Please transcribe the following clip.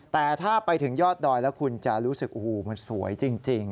แต่ถ้าไปถึงยอดดอยแล้วคุณจะรู้สึกโอ้โหมันสวยจริง